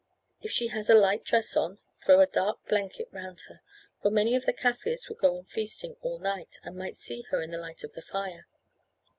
If she has a light dress on, throw a dark blanket round her, for many of the Kaffirs will go on feasting all night, and might see her in the light of the fire.